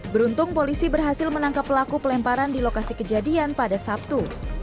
beruntung polisi berhasil menangkap pelaku pelemparan di lokasi kejadian pada sabtu